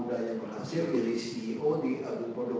saya ingin mengenal arief kemal itu sebagai alam medan